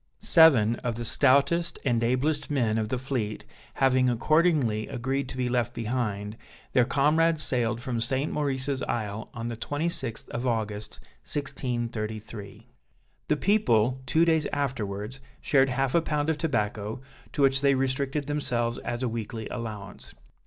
Seven of the stoutest and ablest men of the fleet having accordingly agreed to be left behind, their comrades sailed from St. Maurice's Isle on the 26th of August 1633. The people, two days afterwards, shared half a pound of tobacco, to which they restricted themselves as a weekly allowance.